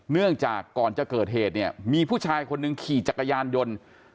เนื่องจากก่อนจะเกิดเหตุเนี่ยมีผู้ชายคนหนึ่งขี่จักรยานยนต์